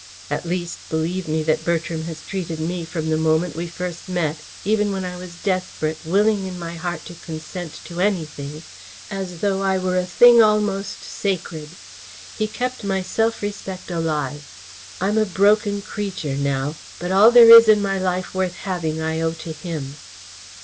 At least, believe me that Bertram has treated me from the moment we first met even when I was desperate, willing in my heart to consent to anything as though I were a thing almost sacred. He kept my self respect alive. I'm a broken creature now, but all there is in my life worth having I owe to him."